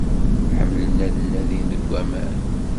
Ḥemmlen ad nadin deg aman.